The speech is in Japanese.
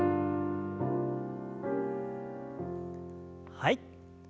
はい。